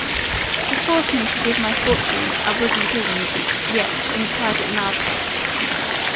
"To force me to give my fortune, I was imprisoned yes; in a private mad house.